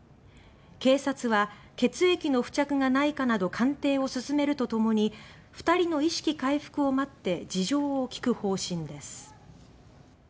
警察は血液の付着がないかなど鑑定を進めるとともに２人の意識回復を待って事情を聴く方針です。